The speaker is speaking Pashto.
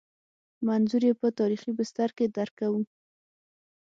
منظور یې په تاریخي بستر کې درک کوو.